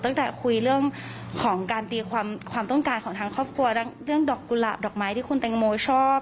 ตั้งแต่คุยเรื่องของการตีความต้องการของทางครอบครัวเรื่องดอกกุหลาบดอกไม้ที่คุณแตงโมชอบ